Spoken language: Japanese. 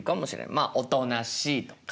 まあおとなしいとか。